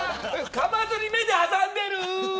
かまずに目で挟んでる。